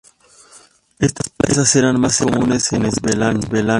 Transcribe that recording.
Estas plazas eran más comunes en Svealand.